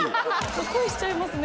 恋しちゃいますね